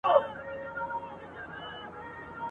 نوم به مي نه وي د زمان پر ژبه ..